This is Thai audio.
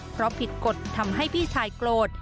เพราะผิดกฎทำให้พี่ชายโกรธ